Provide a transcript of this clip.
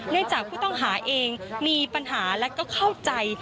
เนื่องจากผู้ต้องหาเองมีปัญหาและเข้าใจ